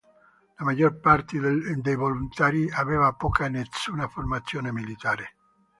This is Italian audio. La maggior parte dei volontari aveva poca o nessuna formazione militare.